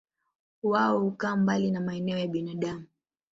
Wao hukaa mbali na maeneo ya binadamu.